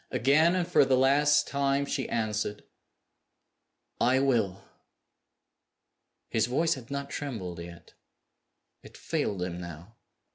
Again, and for the last time, she answered, "I will!" His voice had not trembled yet. It failed him now.